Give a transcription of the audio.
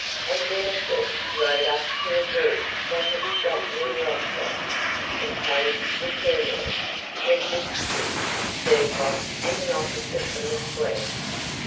And Denísov rode up to a group that had stopped near Rostóv, composed of the colonel, Nesvítski, Zherkóv, and the officer from the suite.